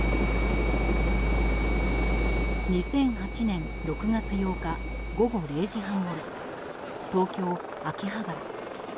２００８年６月８日午後０時半ごろ、東京・秋葉原。